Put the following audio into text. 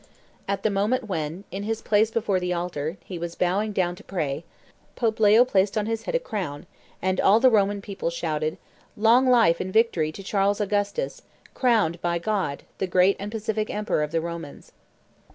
At the moment when, in his place before the altar, he was bowing down to pray, Pope Leo placed on his head a crown, and all the Roman people shouted, 'Long life and victory to Charles Augustus, crowned by God, the great and pacific emperor of the Romans!